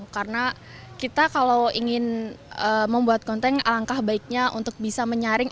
karena kita kalau ingin membuat konten alangkah baiknya untuk bisa menyaring